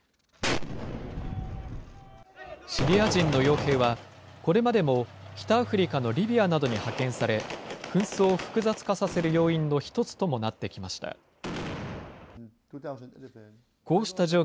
シリア人のよう兵は、これまでも北アフリカのリビアなどに派遣され、紛争を複雑化させる要因の一つともなってきました。